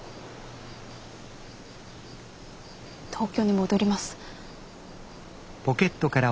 東京に戻ります。